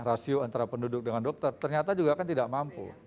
rasio antara penduduk dengan dokter ternyata juga kan tidak mampu